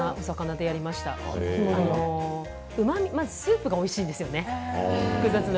まずスープがおいしいんですよね。